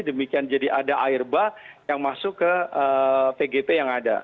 demikian jadi ada air ba yang masuk ke tgp yang ada